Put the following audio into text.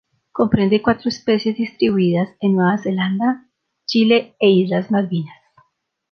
Comprende cuatro especies distribuidas en Nueva Zelanda, Chile e Islas Malvinas.